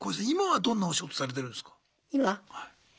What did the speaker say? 今はどんなお仕事されてるんですか？